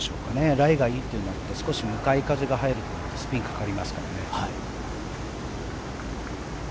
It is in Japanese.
ライがいいということですが少し向かい風が入るとスピンがかかりますから。